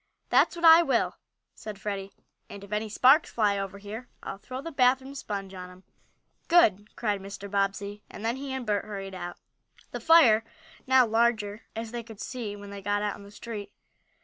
"That's what I will," said Freddie, "and if any sparks fly over here I'll throw the bath room sponge on 'em!" "Good!" cried Mr. Bobbsey, and then, he and Bert hurried out. The fire was now larger, as they could see when they got out in the street.